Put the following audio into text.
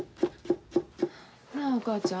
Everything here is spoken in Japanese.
なあお母ちゃん。